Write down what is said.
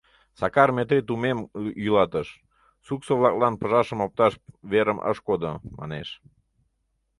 Сакар Метрий тумем йӱлатыш, суксо-влаклан пыжашым опташ верым ыш кодо, манеш.